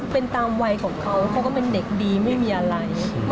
เป็นตามวัยของเขาเขาก็เป็นเด็กดีไม่มีอะไร